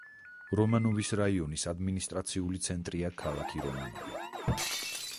რომანოვის რაიონის ადმინისტრაციული ცენტრია ქალაქი რომანოვი.